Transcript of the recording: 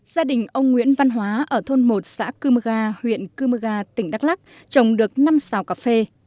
gia đình ông nguyễn văn hóa ở thôn một xã cư mơ ga huyện cư mơ ga tỉnh đắk lắc trồng được năm xào cà phê